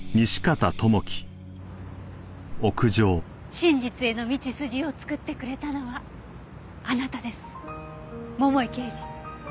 真実への道筋を作ってくれたのはあなたです桃井刑事。